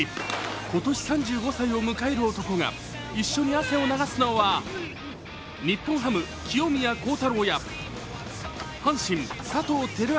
今年３５歳を迎える男が一緒に汗を流すのは日本ハム・清宮幸太郎や阪神・佐藤輝明